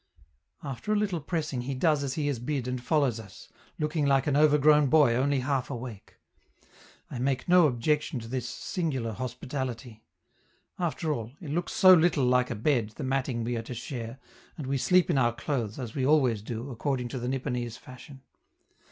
After a little pressing he does as he is bid and follows us, looking like an overgrown boy only half awake. I make no objection to this singular hospitality; after all, it looks so little like a bed, the matting we are to share, and we sleep in our clothes, as we always do, according to the Nipponese fashion.